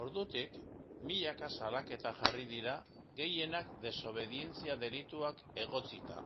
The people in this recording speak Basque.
Ordutik, milaka salaketa jarri dira, gehienak desobedientzia delituak egotzita.